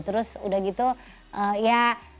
terus udah gitu ya